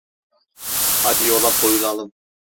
Hadi yola koyulalım.